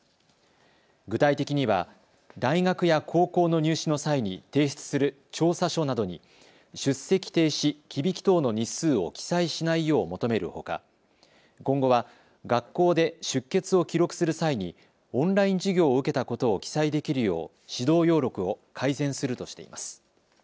具体的には大学や高校の入試の際に提出する調査書などに出席停止・忌引き等の日数を記載しないよう求めるほか今後は学校で出欠を記録する際にオンライン授業を受けたことを記載できるよう指導要録を改善するとしています。